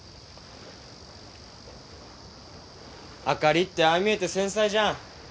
あかりってああ見えて繊細じゃん。